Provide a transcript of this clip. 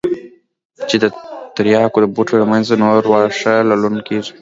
چې د ترياکو د بوټو له منځه نور واښه للون کېږي.